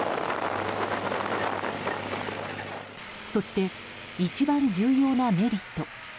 そして一番重要なメリット。